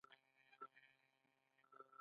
ځغاسته د وجود انډول ساتي